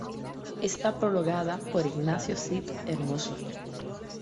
Está prologada por Ignacio Cid Hermoso.